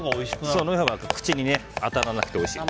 そのほうが口に当たらなくておいしい。